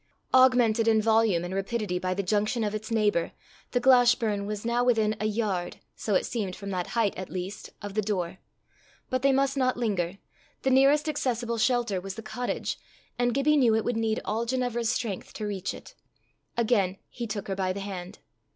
Augmented in volume and rapidity by the junction of its neighbour, the Glashburn was now within a yard so it seemed from that height at least of the door. But they must not linger. The nearest accessible shelter was the cottage, and Gibbie knew it would need all Ginevra's strength to reach it. Again he took her by the hand.